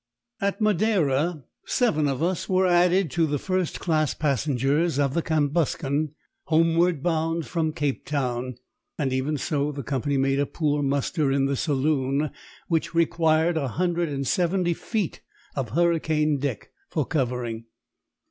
At Madeira seven of us were added to the first class passengers of the Cambuscan, homeward bound from Cape Town; and even so the company made a poor muster in the saloon, which required a hundred and seventy feet of hurricane deck for covering.